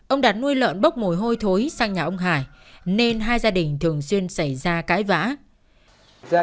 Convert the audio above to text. ông đạt nuôi lợn bốc mồi hôi thối sang nhà ông hải nên hai gia đình thường xuyên xảy ra cái vã